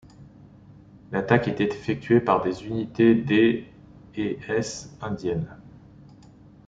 L'attaque est effectuée par des unités des et s indiennes.